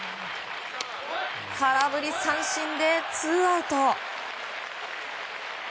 空振り三振でツーアウト。